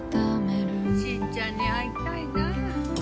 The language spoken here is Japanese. しぃちゃんに会いたいな。